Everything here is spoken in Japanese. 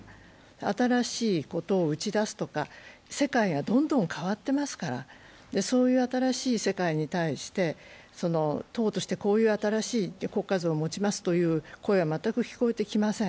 新しいことを打ち出すとか、世界はどんどん変わってますからそういう新しい世界に対して党としてこういう新しい国家像を持ちますという声は全く聞こえてきません。